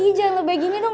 rui jangan lo begginya dong